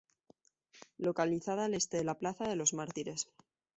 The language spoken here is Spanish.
Localizada al este de la Plaza de los Mártires.